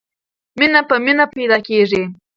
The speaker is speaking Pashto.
مینه په مینه پیدا کېږي.